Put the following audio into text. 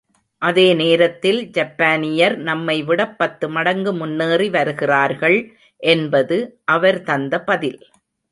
அதே நேரத்தில் ஜப்பானியர் நம்மை விடப் பத்து மடங்கு முன்னேறி வருகிறார்கள் என்பது அவர் தந்த பதில்.